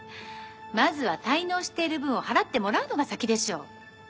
まずは滞納している分を払ってもらうのが先でしょ？